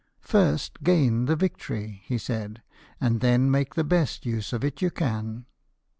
" First gain the victory," he said, " and then make the best use of it you can."